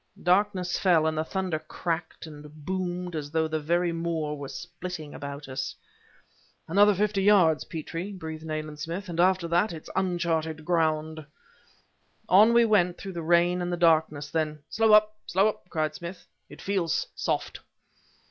Darkness fell, and the thunder cracked and boomed as though the very moor were splitting about us. "Another fifty yards, Petrie," breathed Nayland Smith, "and after that it's unchartered ground." On we went through the rain and the darkness; then: "Slow up! slow up!" cried Smith. "It feels soft!"